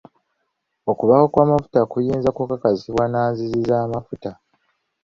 Okubaawo kw'amafuta kuyinza kukakasibwa na nzizi z'amafuta.